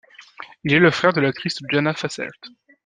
Il est le frère de l'actrice Janna Fassaert.